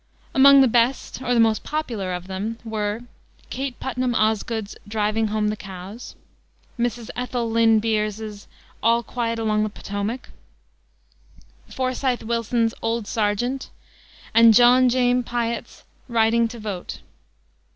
Among the best or the most popular of them were Kate Putnam Osgood's Driving Home the Cows, Mrs. Ethel Lynn Beers's All Quiet Along the Potomac, Forceythe Willson's Old Sergeant, and John James Piatt's Riding to Vote.